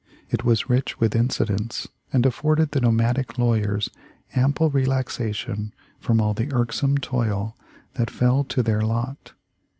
It was rich with incidents, and afforded the nomadic lawyers ample relaxation from all the irksome toil that fell to their lot.